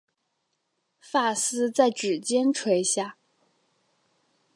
发丝在指间垂下